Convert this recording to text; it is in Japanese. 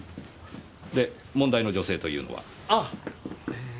で問題の女性というのは？